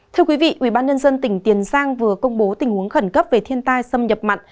thưa quý vị ubnd tỉnh tiền giang vừa công bố tình huống khẩn cấp về thiên tai xâm nhập mặn